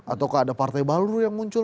ataukah ada partai baru yang muncul